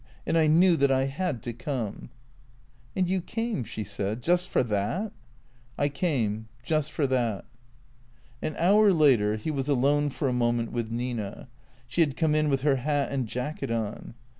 And I knew that I had to come." " And you came," she said, " just for that ?"" I came — just for that." An hour later he was alone for a moment with Nina. She had come in with her hat and jacket on.